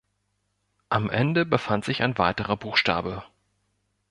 Am Ende befand sich ein weiterer Buchstabe.